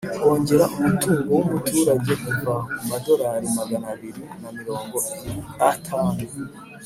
kongera umutungo w'umuturage kuva ku madorari magana abiri na mirongo iatanu